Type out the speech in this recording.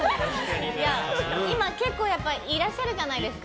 今、結構いらっしゃるじゃないですか。